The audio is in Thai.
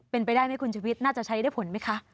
เป็นไปได้ไหมคุณชวิตน่าจะใช้ได้ผลไหมคะ